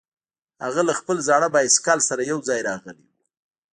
هغه له خپل زاړه بایسکل سره یوځای راغلی و